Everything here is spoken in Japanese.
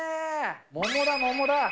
桃だ、桃だ。